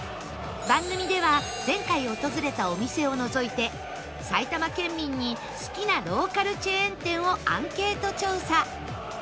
番組では前回訪れたお店を除いて埼玉県民に好きなローカルチェーン店をアンケート調査